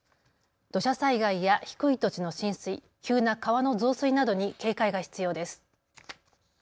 土砂災害や低い土地の浸水、急な川の増水などに警戒が必要です。